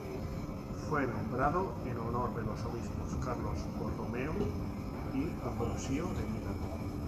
Fue nombrado en honor de los obispos Carlos Borromeo y Ambrosio de Milán.